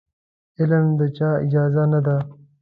علم د چا اجاره نه ده.